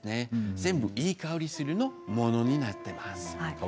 全部いい香りするものになっています。